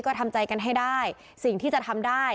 ก็ทำใจกันให้ได้สิ่งที่จะทำได้